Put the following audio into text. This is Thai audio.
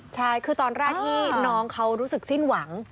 ใช่คือตอนแรกที่น้องเขารู้สึกสิ้นหวัง